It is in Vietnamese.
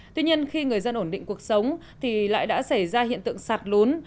tuy nhiên khi người dân ổn định cuộc sống thì lại đã xảy ra hiện tượng sạt lún